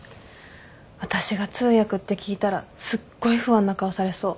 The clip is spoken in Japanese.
私が通訳って聞いたらすっごい不安な顔されそう。